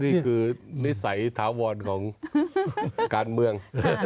นี่คือนิสัยถาวรของการเมือง